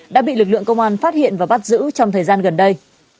đã bị lực lượng công an phát hiện và bắt giữ trong thời gian gần đây